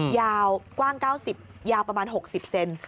ยาวกว้าง๙๐ยาวประมาณ๖๐เซน